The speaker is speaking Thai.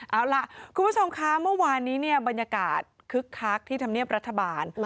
เอาล่ะคุณผู้ชมคะเมื่อวานนี้เนี่ยบรรยากาศคึกคักที่ธรรมเนียบรัฐบาล